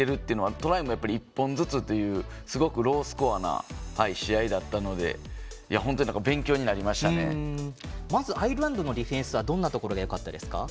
トライも１本ずつというすごくロースコアな試合だったのでアイルランドのディフェンスはどんなところがよかったですか？